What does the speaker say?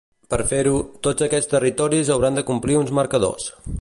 Per fer-ho, tots aquests territoris hauran de complir uns marcadors.